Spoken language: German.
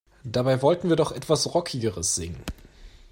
Dabei wollten wir doch etwas Rockigeres singen.